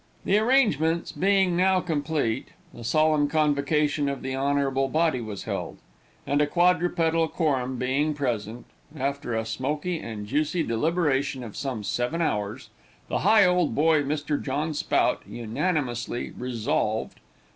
The arrangements being now complete, a solemn convocation of the honorable body was held, and a quadrupedal quorum being present, after a smoky and juicy deliberation of some seven hours, the Higholdboy, Mr. John Spout, unanimously Resolved: 1.